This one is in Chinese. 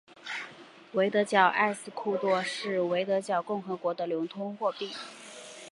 维德角埃斯库多是维德角共和国的流通货币。